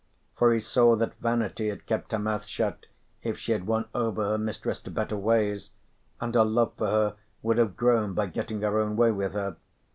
For he saw that vanity had kept her mouth shut if she had won over her mistress to better ways, and her love for her would have grown by getting her own way with her.